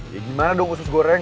ya gimana dong usus goreng